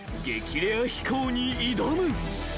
レア飛行に挑む］